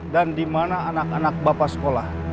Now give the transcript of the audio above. dan dimana anak anak bapak sekolah